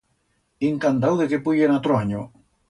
Incantau de que puyen atro anyo.